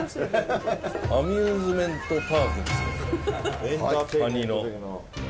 アミューズメントパーク。